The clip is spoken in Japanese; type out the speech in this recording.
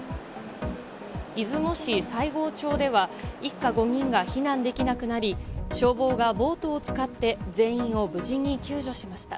出雲市西郷町では、一家５人が避難できなくなり、消防がボートを使って、全員を無事に救助しました。